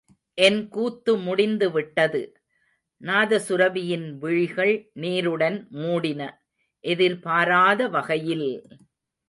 என் கூத்து முடிந்து விட்டது!... நாதசுரபியின் விழிகள் நீருடன் மூடின, எதிர்பாராத வகையில்!